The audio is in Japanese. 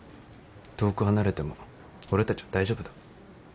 遠く離れても俺たちは大丈夫だ。